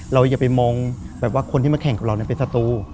อย่าไปมองแบบว่าคนที่มาแข่งกับเราเป็นศัตรู